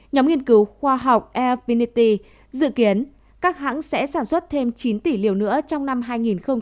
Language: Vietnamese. nhóm nghiên cứu khoa học airvinity dự kiến các hãng sẽ sản xuất thêm chín tỷ liều nữa trong năm hai nghìn hai mươi